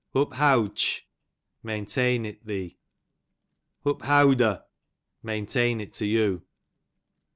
Uphowdteh, maintain it thee. Uphowdo', maintain it to you.